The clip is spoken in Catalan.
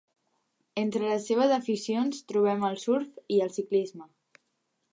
Entre les seves aficions trobem el surf i el ciclisme.